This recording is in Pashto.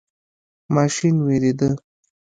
ماشین ویریده.